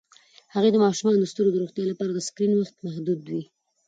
هغې د ماشومانو د سترګو د روغتیا لپاره د سکرین وخت محدودوي.